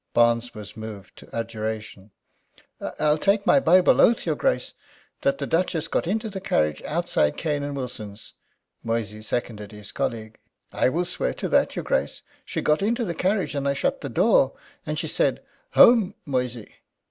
Barnes was moved to adjuration: "I'll take my Bible oath, your Grace, that the Duchess got into the carriage outside Cane and Wilson's." Moysey seconded his colleague: "I will swear to that, your Grace. She got into the carriage, and I shut the door, and she said, 'Home, Moysey!'"